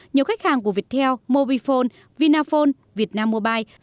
nhiều khách hàng của viettel mobifone vinaphone vietnam mobile